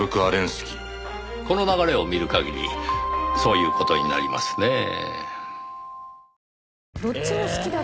この流れを見る限りそういう事になりますねぇ。